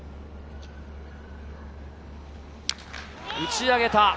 打ち上げた。